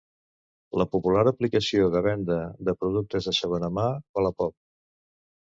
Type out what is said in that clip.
La popular aplicació de venda de productes de segona mà Wallapop